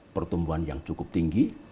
pertumbuhan yang cukup tinggi